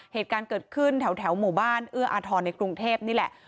เหตุการณ์เกิดขึ้นแถวหมู่บ้านเอื้ออาทรในกรุงเทพนี่แหละ